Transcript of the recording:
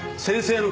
先生！